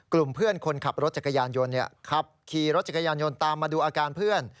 กลุ่มเพื่อนคนขับรถจักรยานยนต์ขับขี่รถจักรยานยนต์ตามมาดูอาการเพื่อน